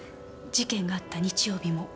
事件があった日曜日も？